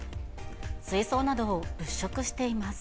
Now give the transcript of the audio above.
水槽などを物色しています。